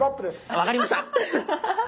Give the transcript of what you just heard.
分かりました。